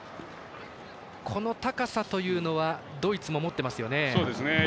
この高さというのはドイツも持っていますよね。